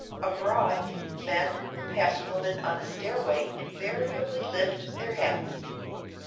Abroad, men who pass women on a stairway invariably lift their hats.